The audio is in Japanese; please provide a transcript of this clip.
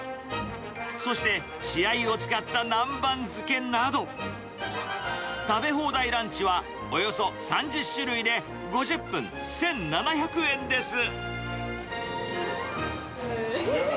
そして血合いを使った南蛮漬けなど、食べ放題ランチはおよそ３０種類で５０分１７００円です。